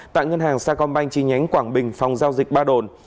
tại ngân hàng sa công banh chi nhánh quảng bình phòng giao dịch ba đồn